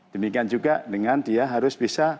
demikian juga dengan dia harus bisa